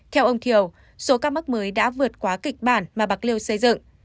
theo ông thiều số các mắc mới đã vượt quá kịch bản mà bạc liêu xây dựng